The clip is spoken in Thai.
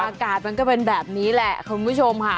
อากาศมันก็เป็นแบบนี้แหละคุณผู้ชมค่ะ